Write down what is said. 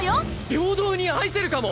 平等に愛せるかも。